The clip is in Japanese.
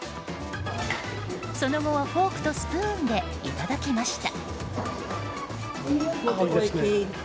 その後はフォークとスプーンでいただきました。